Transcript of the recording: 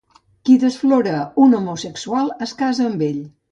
Qui desflora un homosexual es casa amb ell.